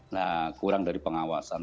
nah kurang dari pengawasan